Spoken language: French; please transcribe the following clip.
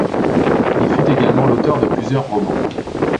Il fut également l'auteur de plusieurs romans.